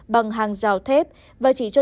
bằng hàng rào thép và chỉ cho